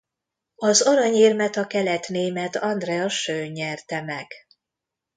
Az aranyérmet a keletnémet Andrea Schöne nyerte meg.